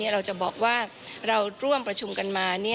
เราจะบอกว่าเราร่วมประชุมกันมา